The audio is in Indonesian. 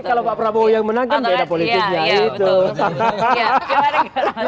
kalau pak prabowo yang menang kan beda politiknya itu